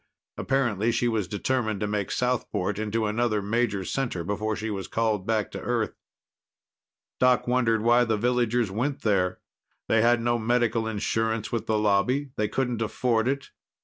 Apparently, she was determined to make Southport into another major center before she was called back to Earth. Doc wondered why the villagers went there. They had no medical insurance with the Lobby; they couldn't afford it.